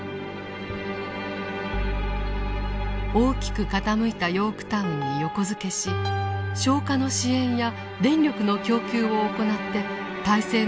大きく傾いた「ヨークタウン」に横付けし消火の支援や電力の供給を行って態勢の立て直しを図りました。